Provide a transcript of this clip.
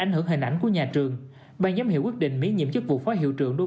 ảnh hưởng hình ảnh của nhà trường ban giám hiệu quyết định miễn nhiệm chức vụ phó hiệu trưởng đối